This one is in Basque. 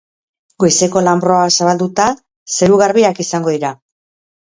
Goizeko lanbroa zabalduta, zeru garbiak izango dira.